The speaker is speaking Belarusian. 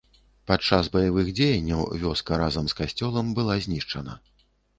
Пад час баявых дзеянняў вёска разам з касцёлам была знішчана.